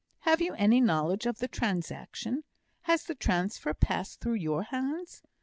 Have you any knowledge of the transaction? Has the transfer passed through your hands?